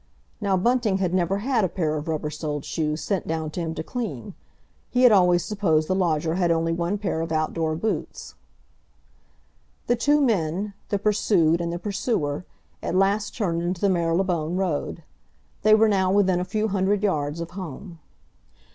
Now Bunting had never had a pair of rubber soled shoes sent down to him to clean. He had always supposed the lodger had only one pair of outdoor boots. The two men—the pursued and the pursuer—at last turned into the Marylebone Road; they were now within a few hundred yards of home.